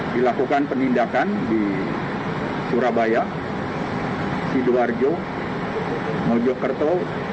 dilakukan penindakan di surabaya sidoarjo mojokerto